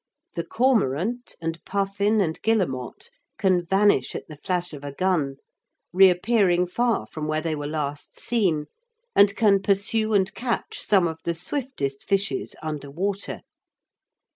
The cormorant and puffin and guillemot can vanish at the flash of a gun, reappearing far from where they were last seen, and can pursue and catch some of the swiftest fishes under water.